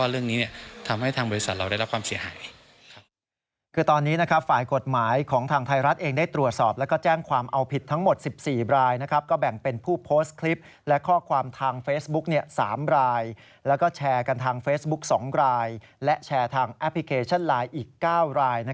เรื่องนี้ทำให้ทางบริษัทเราได้รับความเสียหาย